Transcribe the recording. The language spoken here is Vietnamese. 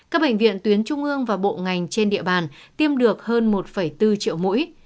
các bệnh viện tuyến trung ương và bộ ngành trên địa bàn tiêm được hơn một bốn triệu mũi